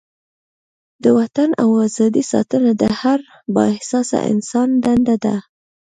د وطن او ازادۍ ساتنه د هر با احساسه انسان دنده ده.